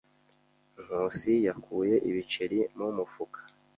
Nkusi yakuye ibiceri mu mufuka.